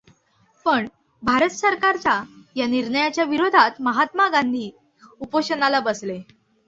पण भारत सरकारचा या निर्णयाच्या विरोधात महात्मा गांधी उपोषणाला बसले.